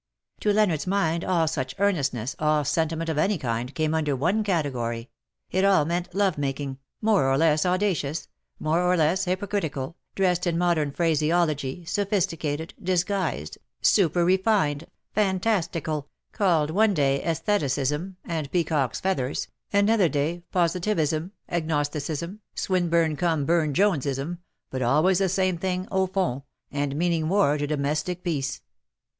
To Leonard's mind all such earnest ness, all sentiment of any kind, came under one category : it all meant love making, more or less 282 ^' AND TIME IS SETTING Wl' ME, O." audacious, more or less hypocritical, dressed in modern phraseology, sophisticated, disguised, super refined, fantastical, called one day sestheticism and peacock's feathers, another day positivism, agnosti cism, Swinburne cum Burne Jones ism, but always the same thing au fond, and meaning war to domestic peace.